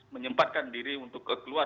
menyempatkan diri untuk keluar